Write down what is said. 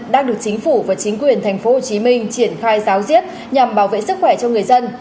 đang được chính phủ và chính quyền tp hcm triển khai giáo diết nhằm bảo vệ sức khỏe cho người dân